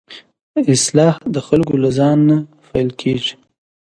اصلاح د خلکو له ځان نه پيل کېږي.